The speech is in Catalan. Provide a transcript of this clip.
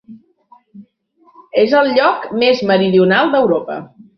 És el lloc més meridional d'Europa.